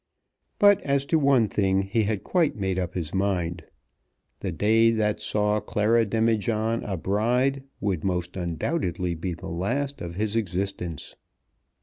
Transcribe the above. But as to one thing he had quite made up his mind. The day that saw Clara Demijohn a bride would most undoubtedly be the last of his existence."